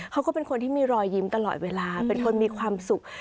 เขาก็เป็นคนที่มีรอยยิ้มตลอดเวลาเป็นคนมีความสุข